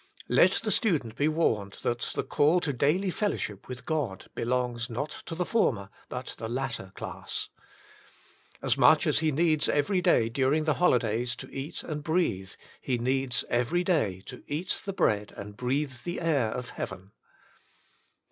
Let the student be warned that the call to daily fellow ship with God belongs not to the former but the latter class. As much as he needs every day during the holidays to eat and breathe, he needs Every Day to Eat the Beead and Breathe the Air OF Heaven.